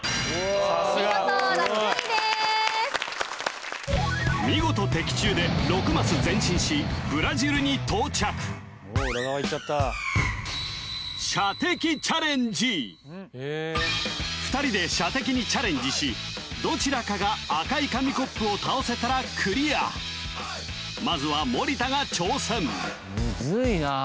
さすがお見事６位です見事的中で６マス前進しブラジルに到着・裏側行っちゃった２人で射的にチャレンジしどちらかが赤い紙コップを倒せたらクリアまずは森田が挑戦むずいなあ